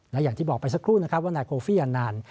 และอย่างที่บอกไปสักครู่นะครับว่านายโคฟี่อัน